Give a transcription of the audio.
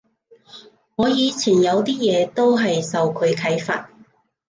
我以前有啲嘢都係受佢啓發